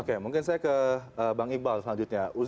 oke mungkin saya ke bang iqbal selanjutnya